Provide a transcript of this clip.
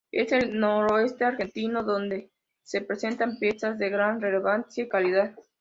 Es en el noroeste argentino donde se presentan piezas de gran relevancia y calidad.